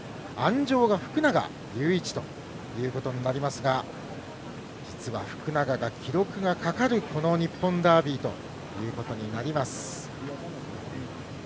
鞍上が福永祐一ということになりますが実は福永が記録がかかるこの日本ダービーということになります。